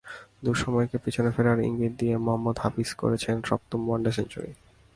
দুঃসময়কে পেছনে ফেরার ইঙ্গিত দিয়ে মোহাম্মদ হাফিজ করেছেন সপ্তম ওয়ানডে সেঞ্চুরি।